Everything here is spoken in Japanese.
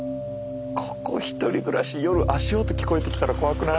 ここ１人暮らし夜足音聞こえてきたら怖くない？